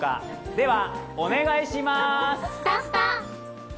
ではお願いします！